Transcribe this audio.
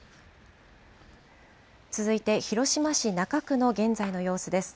続いて、広島市中区の現在の様子です。